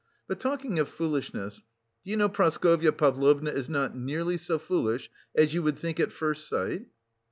But, talking of foolishness, do you know Praskovya Pavlovna is not nearly so foolish as you would think at first sight?"